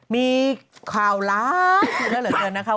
มีข่าวล้า